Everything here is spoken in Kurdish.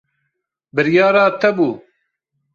Biryara te bû.